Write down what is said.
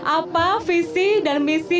apa visi dan misi